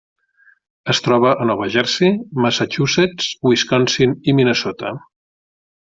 Es troba a Nova Jersey, Massachusetts, Wisconsin i Minnesota.